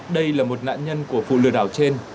đây là một nạn nhân của vụ lừa đảo trên